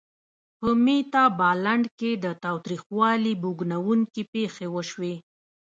په میتابالنډ کې د تاوتریخوالي بوږنوونکې پېښې وشوې.